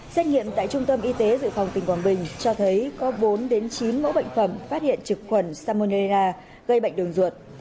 xét nghiệm tại trung tâm y tế dự phòng tỉnh quảng bình cho thấy có bốn đến chín mẫu bệnh phẩm phát hiện trực khuẩn salmonelra gây bệnh đường ruột